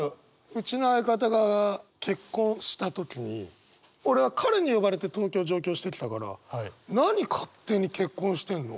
うちの相方が結婚した時に俺は彼に呼ばれて東京上京してきたから何勝手に結婚してんの？